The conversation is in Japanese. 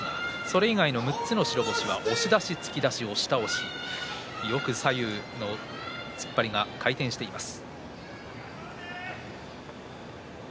それ以外の６つの白星は押し出し、突き出し、押し倒しよく左右の突っ張り回転しています。